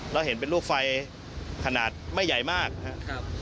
แล้วเห็นเป็นลูกไฟขนาดไม่ใหญ่มากนะครับ